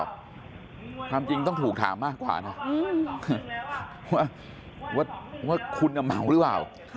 ความจริงต้องถูกถามมากกว่านะว่าคุณเหมาหรือเปล่า